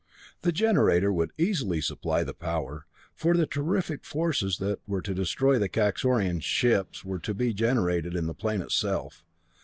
The generator would easily supply the power, for the terrific forces that were to destroy the Kaxorian ships were to be generated in the plane itself.